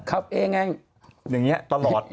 ขับเองตลอด